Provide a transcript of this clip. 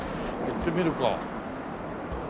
行ってみるか。